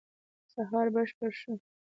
سهار بشپړ شو.